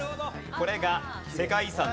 これが世界遺産です。